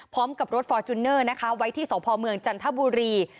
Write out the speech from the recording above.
พร้อมกับรถฟอร์จูเนอร์นะคะไว้ที่สพเมืองจันทบุรี